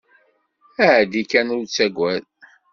Ԑeddi kan ur ttagad.